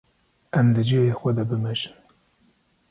Em di cihê xwe de bimeşin.